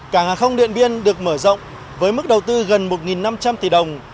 cả ngã không điện biên được mở rộng với mức đầu tư gần một năm trăm linh tỷ đồng